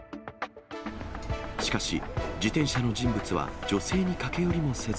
しかし、自転車の人物は、女性に駆け寄りもせず。